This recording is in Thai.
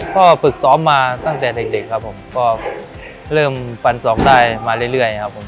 พ่อฝึกซ้อมมาตั้งแต่เด็กเด็กครับผมก็เริ่มปันสองได้มาเรื่อยเรื่อยครับผม